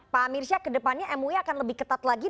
pak mirsya ke depannya mui akan lebih ketat lagi